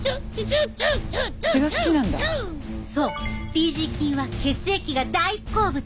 Ｐ．ｇ菌は血液が大好物。